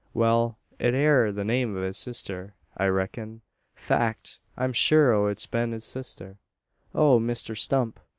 "Wal, it air the name o' his sister, I reck'n. Fact, I'm sure o' it bein' his sister." "Oh! Misther Stump.